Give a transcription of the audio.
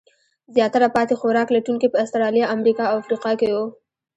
زیاتره پاتې خوراک لټونکي په استرالیا، امریکا او افریقا کې وو.